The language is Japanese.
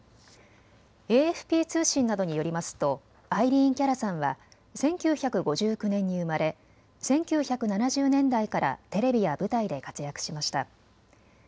ＡＦＰ通信などによりますとアイリーン・キャラさんは１９５９年に生まれ１９７０年代からテレビや舞台で活躍しました。